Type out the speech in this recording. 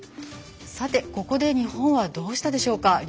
さて、ここで日本はどうしたでしょうか。